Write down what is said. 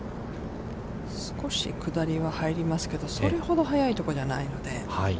少し下りが入りますけど、それほど速いところじゃないので。